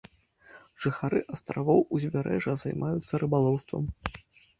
Жыхары астравоў, узбярэжжа займаюцца рыбалоўствам.